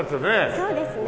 そうですね。